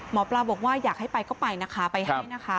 หมอปลาบอกว่าอยากให้ไปก็ไปนะคะไปให้นะคะ